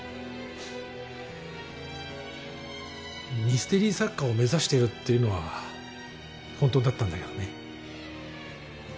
ミステリー作家を目指してるっていうのは本当だったんだけどね。